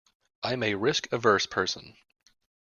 I am a risk-averse person.